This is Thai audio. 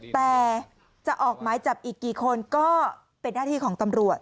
แต่จะออกหมายจับอีกกี่คนก็เป็นหน้าที่ของตำรวจ